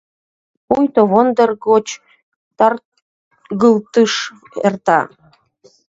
Пуйто вондер гоч таргылтыш эрта.